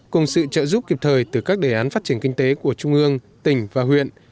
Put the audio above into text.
cùng sự trợ giúp kịp thời từ các đề án phát triển kinh tế của trung ương tỉnh và huyện